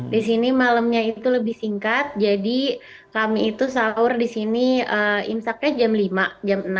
di sini malamnya itu lebih singkat jadi kami itu sahur di sini imsaknya jam lima jam enam